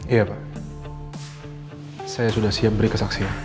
iya pak saya sudah siap beri kesaksian